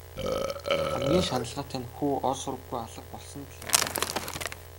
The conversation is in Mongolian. Хамгийн шаналгаатай нь хүү ор сураггүй алга болсонд л байлаа.